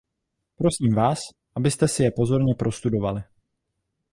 Prosím Vás, abyste si je pozorně prostudovali.